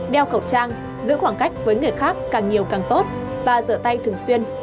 đeo khẩu trang giữ khoảng cách với người khác càng nhiều càng tốt và rửa tay thường xuyên